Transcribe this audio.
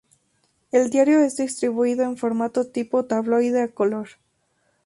El diario es distribuido en formato tipo tabloide a color.